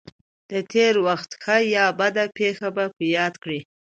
د تېر وخت ښه یا بده پېښه په یاد کړئ.